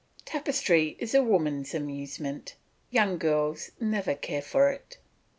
Tapestry is a woman's amusement; young girls never care for it.